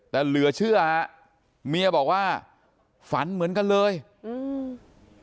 แต่เหลือเชื่อฮะเมียบอกว่าฝันเหมือนกันเลยอืม